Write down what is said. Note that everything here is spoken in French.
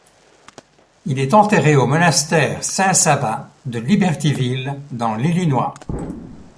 Il est enterré au monastère Saint-Sava de Libertyville dans l'Illinois.